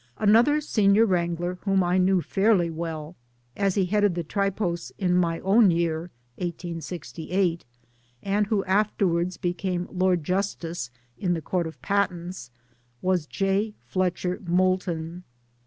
Another Senior Wrangler whom I knew fairly well, as he headed the Tripos in my own year (1868), and who afterwards became Lord Justice (in the Court of Patents) was J. Fletcher Moulton.